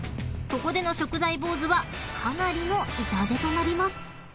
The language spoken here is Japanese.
［ここでの食材ボウズはかなりの痛手となります］